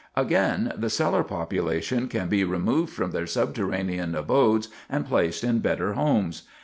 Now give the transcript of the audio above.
Again, the cellar population can be removed from their subterranean abodes, and placed in better homes.